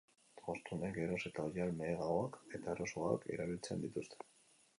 Jostunek geroz eta oihal meheagoak eta erosoagoak erabiltzen dituzte.